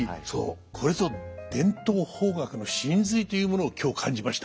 これぞ伝統邦楽の神髄というものを今日感じました。